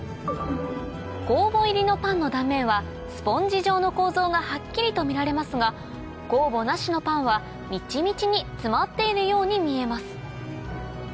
酵母入りのパンの断面はスポンジ状の構造がはっきりと見られますが酵母なしのパンはミチミチに詰まっているように見えます